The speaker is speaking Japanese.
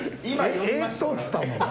「えっと」っつったもんな。